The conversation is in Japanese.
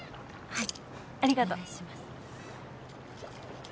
はい。